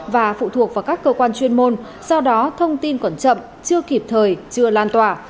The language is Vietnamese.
và phụ thuộc vào các cơ quan chuyên môn do đó thông tin còn chậm chưa kịp thời chưa lan tỏa